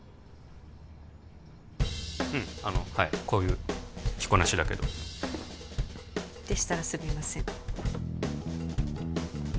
うんあのはいこういう着こなしだけどでしたらすみません